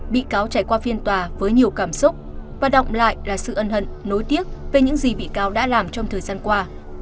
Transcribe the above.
bị cáo trải qua phiên tòa với nhiều cảm xúc và động lại là sự ân hận nối tiếp về những gì bị cáo đã làm trong thời gian qua